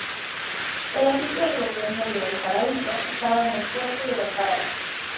El asiento del Gobierno de Valparaíso, estaba en el Puerto de Valparaíso.